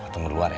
tunggu luar ya